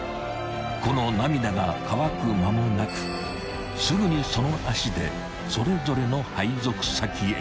［この涙が乾く間もなくすぐにその足でそれぞれの配属先へ］